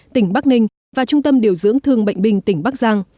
tỉnh bắc ninh và trung tâm điều dưỡng thương bệnh binh tỉnh bắc giang